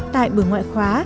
tại bữa ngoại khóa